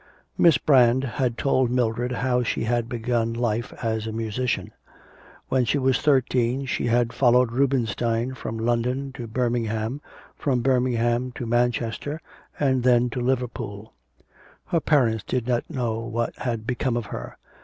Miss Brand had told Mildred how she had begun life as a musician. When she was thirteen she had followed Rubenstein from London to Birmingham, from Birmingham to Manchester, and then to Liverpool. Her parents did not know what had become of her.